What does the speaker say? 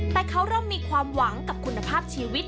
แต่เขาเริ่มมีความหวังกับคุณภาพชีวิต